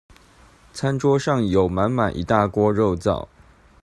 餐桌上有滿滿一大鍋肉燥